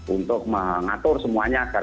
untuk mengatur semuanya agar